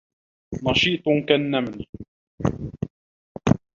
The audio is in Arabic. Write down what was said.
نشيط كالنمل.